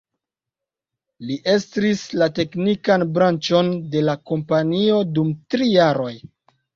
Li estris la teknikan branĉon de la kompanio dum tri jaroj.